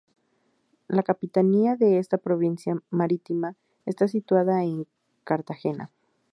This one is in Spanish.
La capitanía de esta provincia marítima está situada en Cartagena.